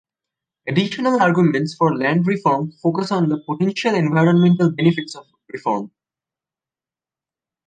Additional arguments for land reform focus on the potential environmental benefits of reform.